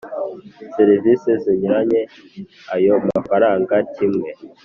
Serivisi zinyuranye ayo mafaranga kimwe